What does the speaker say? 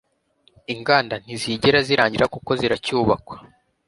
inganda ntizigera zirangira kuko ziracyubakwa